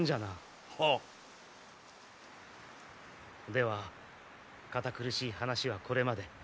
では堅苦しい話はこれまで。